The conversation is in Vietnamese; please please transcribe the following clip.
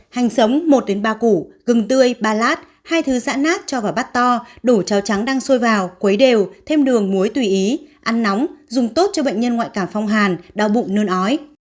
hành sống một ba củ gừng tươi ba lát hai thứ dã nát cho vào bát to đổ cháo trắng đang sôi vào quấy đều thêm đường muối tùy ý ăn nóng dùng tốt cho bệnh nhân ngoại cảm phong hàn đau bụng nơn ói